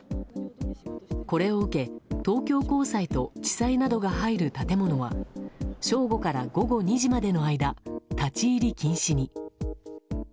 これを受け東京高裁と地裁などが入る建物は正午から午後２時までの間立ち入り禁止に。